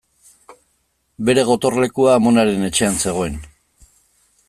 Bere gotorlekua amonaren etxean zegoen.